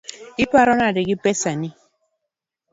Iparo nade gi pesani?